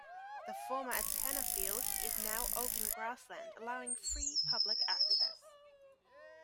The former antenna field is now open grassland allowing free public access.